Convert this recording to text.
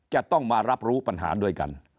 จะต้องมารับรู้ปัญหาด้วยกัน